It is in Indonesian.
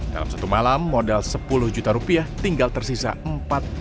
dalam satu malam modal sepuluh juta rupiah tinggal tersisa empat tiga juta rupiah